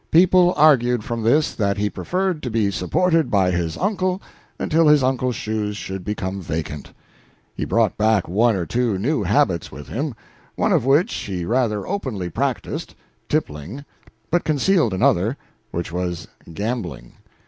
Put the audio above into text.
People argued from this that he preferred to be supported by his uncle until his uncle's shoes should become vacant. He brought back one or two new habits with him, one of which he rather openly practised tippling but concealed another which was gambling.